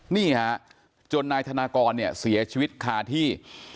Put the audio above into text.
นี่ฮะจนนายธนากรเนี่ยเสียชีวิตคาที่